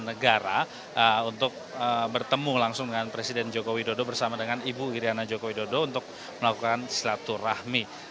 dan ini adalah masyarakat yang memiliki kekuatan untuk bertemu langsung dengan presiden jokowi dodo bersama dengan ibu iryana jokowi dodo untuk melakukan silaturahmi